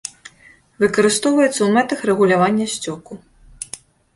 Выкарыстоўваецца ў мэтах рэгулявання сцёку.